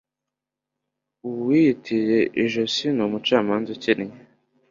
Uwiyitiriye ijosi ni umucamanza ukennye.